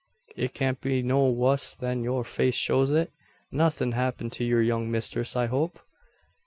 It can't be no wuss than yur face shows it. Nothin' happened to yur young mistress, I hope?